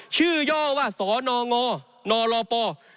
ชื่อย่อว่าสนงนลป๙๐๔